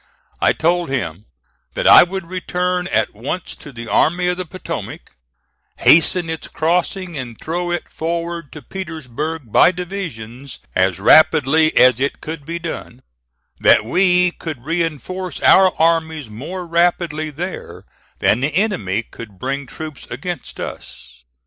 I told him that I would return at once to the Army of the Potomac, hasten its crossing and throw it forward to Petersburg by divisions as rapidly as it could be done, that we could reinforce our armies more rapidly there than the enemy could bring troops against us.